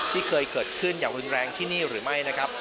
ที่เคยเกิดขึ้นอย่างรุนแรงที่นี่หรือไม่นะครับ